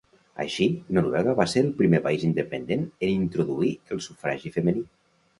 Així, Noruega va ser el primer país independent en introduir el sufragi femení.